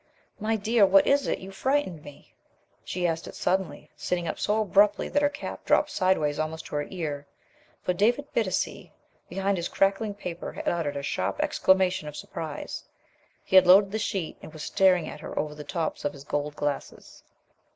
"My dear, what is it? You frightened me!" She asked it suddenly, sitting up so abruptly that her cap dropped sideways almost to her ear. For David Bittacy behind his crackling paper had uttered a sharp exclamation of surprise. He had lowered the sheet and was staring at her over the tops of his gold glasses.